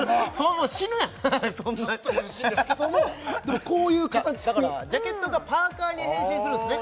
もう死ぬやんちょっと苦しいんですけどもでもこういう形でだからジャケットがパーカーに変身するんですね